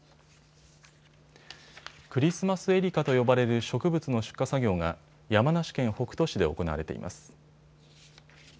クリスマス絵梨花と呼ばれる植物の出荷作業が山梨県北杜市で行われています。